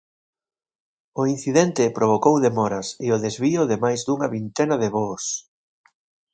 O incidente provocou demoras e o desvío de máis dunha vintena de voos.